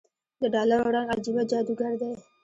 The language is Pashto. دډالرو رنګ عجيبه جادوګر دی